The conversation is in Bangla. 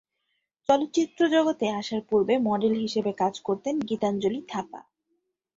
চলচ্চিত্র জগতে আসার পূর্বে মডেল হিসেবে কাজ করতেন গীতাঞ্জলি থাপা।